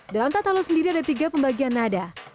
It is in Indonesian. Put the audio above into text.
dalam tatalo sendiri ada tiga pembagian nada